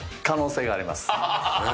可能性があります。